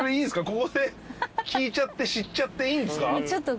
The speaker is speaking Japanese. ここで聞いちゃって知っちゃっていいんですか？